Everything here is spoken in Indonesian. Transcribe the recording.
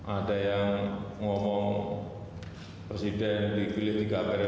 ada yang ngomong presiden dipilih tiga periode itu ada tiga menurut saya